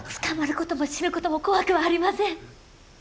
捕まることも死ぬことも怖くはありません。